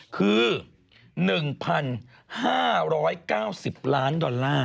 คือ๑๕๙๐ล้านดอลลาร์